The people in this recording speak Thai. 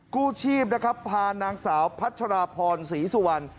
กู้ชีพนะครับพานางสาวพัชราพรศรีสุวรรณ